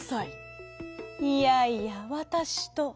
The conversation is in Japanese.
「いやいやわたしと」。